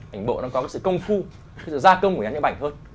ảnh bộ nó có sự công phu sự gia công của những bức ảnh thôi